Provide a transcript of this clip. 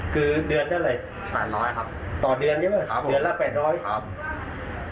คือเดือนได้อะไรแปดร้อยครับต่อเดือนใช่ไหมครับครับผมเดือนละแปดร้อยครับ